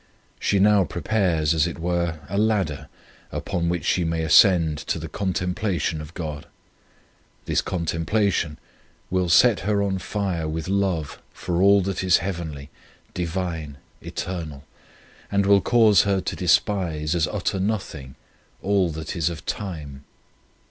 She now prepares, as it were, a ladder upon which she may ascend to the contemplation of God. This contemplation will set her on fire with love for all that is heavenly, Divine, eternal, 61 On Union with God and will cause her to despise as utter nothing all that is of time.